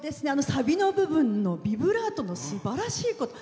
サビの部分のビブラートのすばらしいこと。